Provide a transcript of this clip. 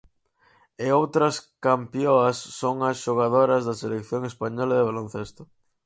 E outras campioas son as xogadoras da selección española de baloncesto.